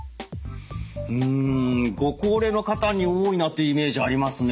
うんご高齢の方に多いなというイメージありますね。